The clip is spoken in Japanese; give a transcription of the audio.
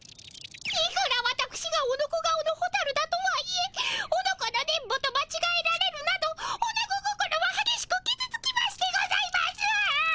いくらわたくしがオノコ顔のホタルだとはいえオノコの電ボとまちがえられるなどオナゴ心ははげしくきずつきましてございます。